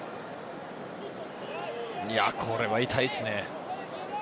これは痛いですね。